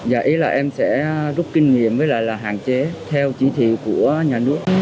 dạ ý là em sẽ rút kinh nghiệm với lại là hạn chế theo chỉ thị của nhà nước